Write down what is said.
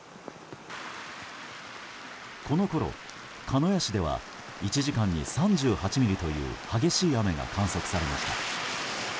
このころ、鹿屋市では１時間に３８ミリという激しい雨が観測されました。